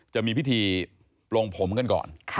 จะมีพิธีปลงผมกันก่อน